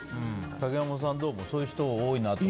竹山さんどうもそういう人が多いって。